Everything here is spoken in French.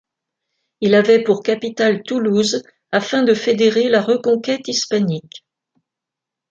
Il avait pour capitale Toulouse afin de fédérer la reconquête hispanique.